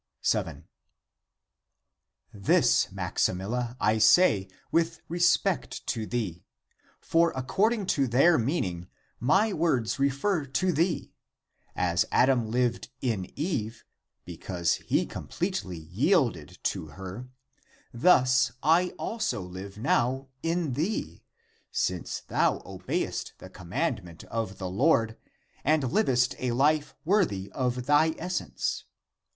7. '* This Maximilla, I say, with respect to thee. For according to their meaning my words refer to thee. As Adam lived in Eve, because he completely yielded to her, thus I also live now in thee, since thou obeyest the commandment of the Lord, and livest a life worthy of thy essence.